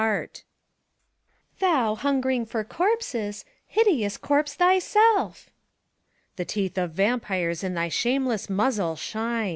CHORETID VI. Thou, hungering for corpses, hideous corpse thyself! PHORKYAS. The teeth of vampires in thy shameless muzzle shine